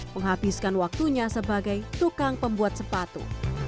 menghabiskan waktunya sebagai tukang pembuat sepatu